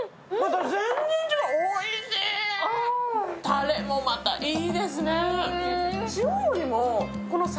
たれも、またいいですね。